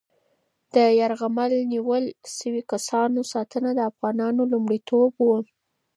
د یرغمل نیول شوي کسانو ساتنه د افغانانو لومړیتوب و.